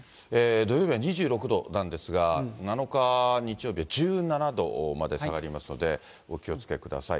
土曜日は２６度なんですが、７日日曜日は１７度まで下がりますので、お気をつけください。